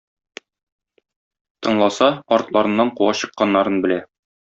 Тыңласа, артларыннан куа чыкканнарын белә.